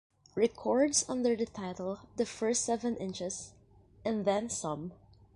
Records under the title The First Seven Inches...And Then Some!